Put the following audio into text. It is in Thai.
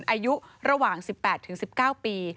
อายุระหว่าง๑๘๑๙ปี